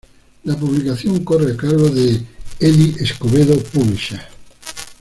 La publicación corre a cargo de "Eddie Escobedo, Publisher".